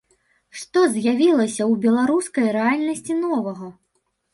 Што з'явілася ў беларускай рэальнасці новага?